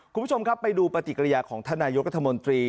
คุณผู้ชมครับไปดูปฏิกิริยาของท่านนายกรัฐมนตรี